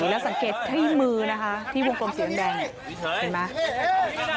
แล้วสังเกตที่มือนะคะที่วงกลมสีแดงเห็นไหม